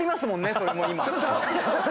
それも今。